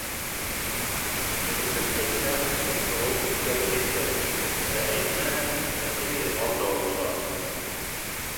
Дөрөҫөн әйтһәң, Көнһылыу үпкәләйәсәк, ә әйтмәһәң, әсәйҙе алдау була.